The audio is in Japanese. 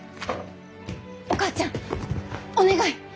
お母ちゃんお願い！